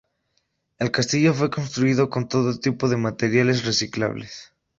El castillo fue construido con todo tipo de materiales reciclables.